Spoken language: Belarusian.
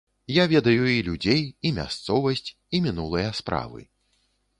Я ведаю і людзей, і мясцовасць, і мінулыя справы.